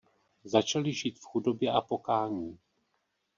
Začali žít v chudobě a pokání.